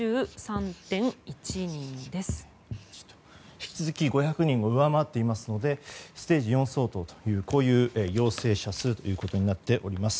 引き続き５００人を上回っていますのでステージ４相当という陽性者数となっています。